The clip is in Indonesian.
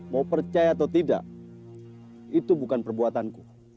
mau percaya atau tidak itu bukan perbuatanku